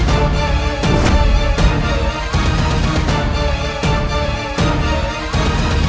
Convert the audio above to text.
tempat kembali ke bahaya